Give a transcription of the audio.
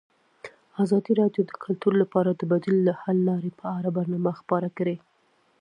ازادي راډیو د کلتور لپاره د بدیل حل لارې په اړه برنامه خپاره کړې.